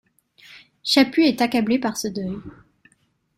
Chaput est accablé par ce deuil.